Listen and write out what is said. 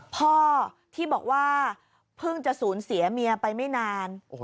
พ่อที่บอกว่าเพิ่งจะสูญเสียเมียไปไม่นาน